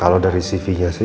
kalau dari cv nya sih